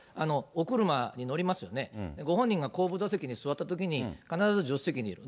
お車に乗りますよね、ご本人が後部座席に座ったときに、必ず助手席にいる。